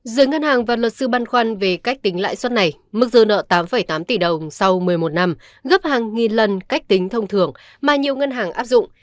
giữa ngân hàng và luật sư băn khoăn về cách tính lãi suất này mức dư nợ tám tám tỷ đồng sau một mươi một năm gấp hàng nghìn lần cách tính thông thường mà nhiều ngân hàng áp dụng